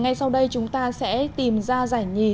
ngay sau đây chúng ta sẽ tìm ra giải nhì